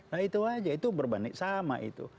nah itu aja itu berbanding sama itu